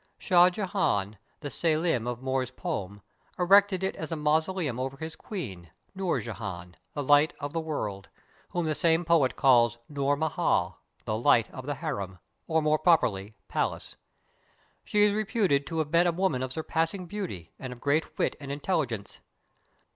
Shah Jehan, the "Selim" of ^Moore's poem, erected it as a mausoleum over his queen, Xoor Jehan, — "the Light of the World," — whom the same poet calls Noor Mahal, "the Light of the Harem," or more properly, "Palace." She is reputed to have been a woman of surpassing beauty, and of great v^ it and intel ligence.